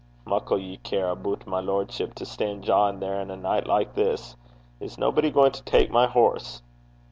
'Muckle ye care aboot my lordship to stand jawin' there in a night like this! Is nobody going to take my horse?'